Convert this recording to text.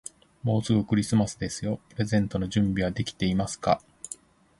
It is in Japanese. もうすぐクリスマスですよ。プレゼントの準備はできていますか。